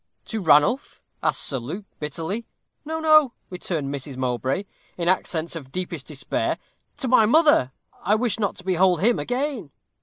'To Ranulph?' asked Sir Luke, bitterly. 'No, no,' returned Miss Mowbray, in accents of deepest despair, 'to my mother I wish not to behold him again.'